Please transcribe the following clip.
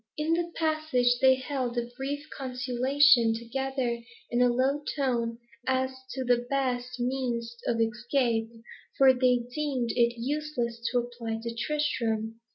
In the passage, they held a brief consultation together in a low tone, as to the best means of escape, for they deemed it useless to apply to Tristram.